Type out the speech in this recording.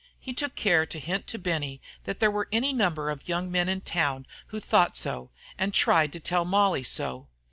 He took care to hint to Benny that there were any number of young men in town who thought so and tried to tell Molly so.